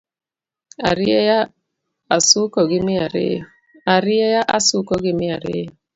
Arieya asuko gi mia ariyo